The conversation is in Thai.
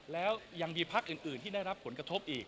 แล้วยังมีพักอื่นที่ได้รับผลกระทบอีก